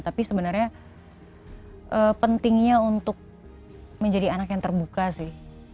tapi sebenarnya pentingnya untuk menjadi anak yang terbuka sih